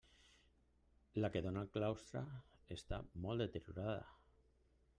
La que dóna al claustre està molt deteriorada.